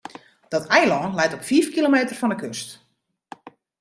Dat eilân leit op fiif kilometer fan de kust.